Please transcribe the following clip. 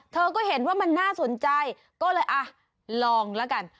เธอก็เห็นว่ามันน่าสนใจก็เลยอ่ะลองแล้วกัน